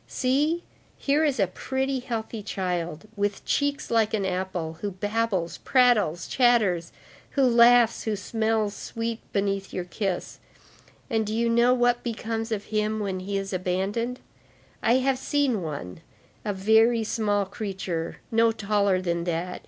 See, here is a pretty, healthy child, with cheeks like an apple, who babbles, prattles, chatters, who laughs, who smells sweet beneath your kiss,—and do you know what becomes of him when he is abandoned? I have seen one, a very small creature, no taller than that.